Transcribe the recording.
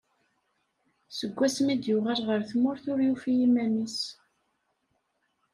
Seg wasmi i d-yuɣal ɣer tmurt ur yufi iman-is.